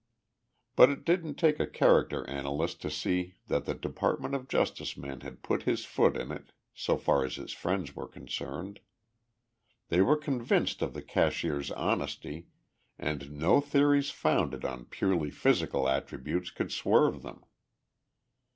But it didn't take a character analyst to see that the Department of Justice man had put his foot in it, so far as his friends were concerned. They were convinced of the cashier's honesty and no theories founded on purely physical attributes could swerve them.